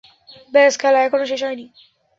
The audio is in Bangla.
ব্যস, খেলা এখনো শেষ হয়নি।